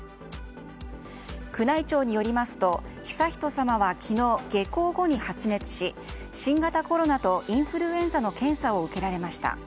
宮内庁によりますと悠仁さまは、昨日下校後に発熱し新型コロナとインフルエンザの検査を受けられました。